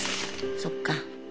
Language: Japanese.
そっか。